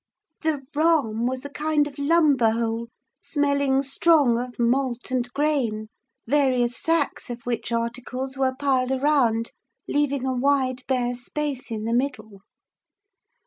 The "rahm" was a kind of lumber hole smelling strong of malt and grain; various sacks of which articles were piled around, leaving a wide, bare space in the middle.